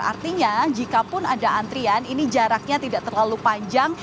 artinya jikapun ada antrian ini jaraknya tidak terlalu panjang